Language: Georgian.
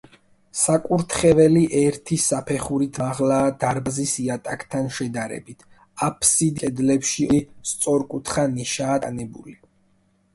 საკურთხეველი ერთი საფეხურით მაღლაა დარბაზის იატაკთან შედარებით, აფსიდის კედლებში ორი სწორკუთხა ნიშაა დატანებული.